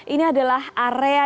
ini adalah area